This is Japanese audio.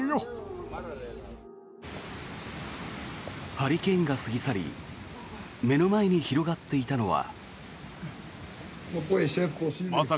ハリケーンが過ぎ去り目の前に広がっていたのは。